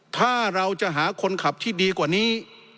ถ้าเราจะหาคนขับที่ดีกว่านี้